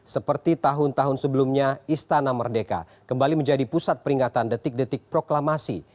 seperti tahun tahun sebelumnya istana merdeka kembali menjadi pusat peringatan detik detik proklamasi